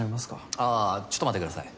あぁちょっと待ってください。